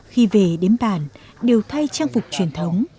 khi về đến bản đều thay trang phục truyền thống